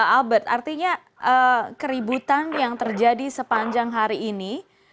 albert artinya keributan yang terjadi sepanjang hari ini